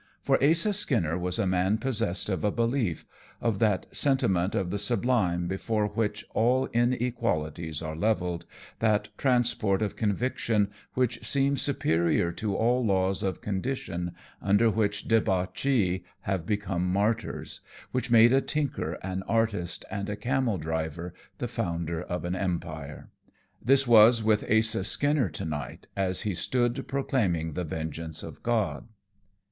For Asa Skinner was a man possessed of a belief, of that sentiment of the sublime before which all inequalities are leveled, that transport of conviction which seems superior to all laws of condition, under which debauchees have become martyrs; which made a tinker an artist and a camel driver the founder of an empire. This was with Asa Skinner to night, as he stood proclaiming the vengeance of God.